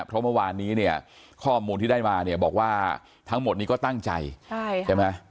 เพราะเมื่อวานนี้เนี่ยข้อมูลที่ได้มาเนี่ยบอกว่าทั้งหมดนี้ก็ตั้งใจใช่ไหม